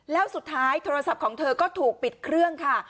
แล้วสุดท้ายโทรศัพท์ของเธอก็ถูกปิดเครื่องค่ะ